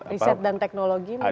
riset dan teknologi mungkin